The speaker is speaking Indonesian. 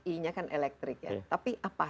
e nya kan elektrik ya tapi apa